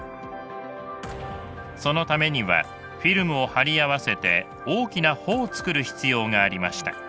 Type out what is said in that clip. そのためにはフィルムを貼り合わせて大きな帆を作る必要がありました。